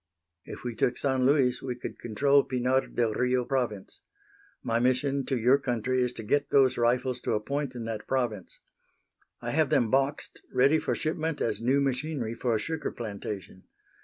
If we took San Luis we could control Pinar del Rio province. My mission to your country is to get those rifles to a point in that province. I have them boxed, ready for shipment as new machinery for a sugar plantation.